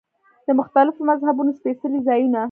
د مختلفو مذهبونو سپېڅلي ځایونه.